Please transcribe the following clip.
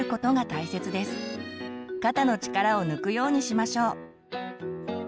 肩の力を抜くようにしましょう。